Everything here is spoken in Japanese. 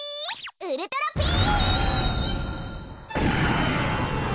ウルトラピース！